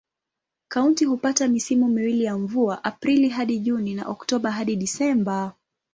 Kaunti hupata misimu miwili ya mvua: Aprili hadi Juni na Oktoba hadi Disemba.